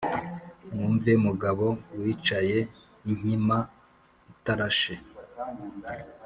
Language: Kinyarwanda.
Mwumve mugabo wicayeinkima itarashe :